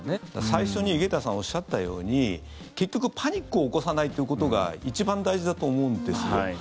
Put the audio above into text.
最初に井桁さんがおっしゃったように結局、パニックを起こさないということが一番大事だと思うんですよ。